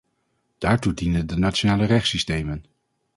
Daartoe dienen de nationale rechtssystemen.